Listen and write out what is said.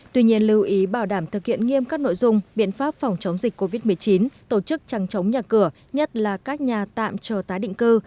tuy nhiên lưu ý bảo đảm thực hiện nghiêm các nội dung biện pháp phòng chống dịch covid một mươi chín tổ chức trăng chống nhà cửa nhất là các nhà tạm chờ tái định cư